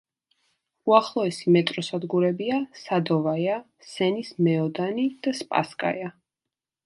უახლოესი მეტროსადგურებია „სადოვაია“, „სენის მეოდანი“ და „სპასკაია“.